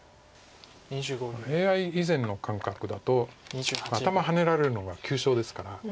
ＡＩ以前の感覚だと頭ハネられるのが急所ですから。